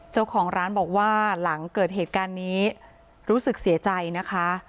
เจ้าของร้านบอกว่าหลังเกิดเหตุการณ์นี้รู้สึกเสียใจนะคะ